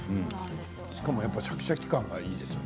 しかもシャキシャキ感がいいですね。